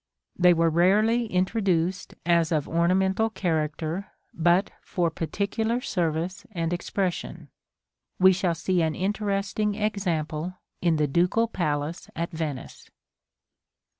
They were rarely introduced as of ornamental character, but for particular service and expression; we shall see an interesting example in the Ducal Palace at Venice.